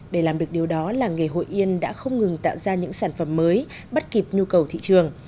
để làm được điều đó làng nghề hội yên đã không ngừng tạo ra những sản phẩm mới bắt kịp nhu cầu thị trường